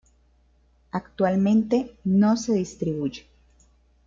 Actualmente no se distribuye.